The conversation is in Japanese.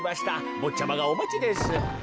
ぼっちゃまがおまちです。